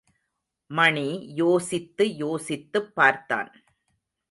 மணி யோசித்து யோசித்துப் பார்த்தான்.